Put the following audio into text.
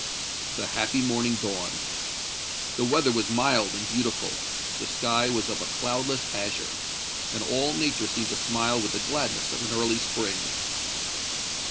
The happy morning dawned. The weather was mild and beautiful; the sky was of a cloudless azure; and all nature seemed to smile with the gladness of an early spring.